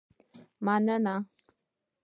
مننه